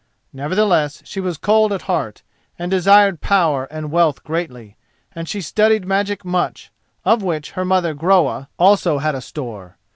Nevertheless she was cold at heart, and desired power and wealth greatly, and she studied magic much, of which her mother Groa also had a store.